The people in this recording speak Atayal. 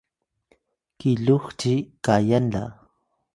kilux ci kayan la